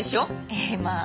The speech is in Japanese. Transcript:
ええまあ。